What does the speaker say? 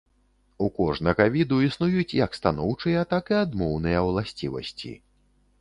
У кожнага віду існуюць як станоўчыя, так і адмоўныя ўласцівасці.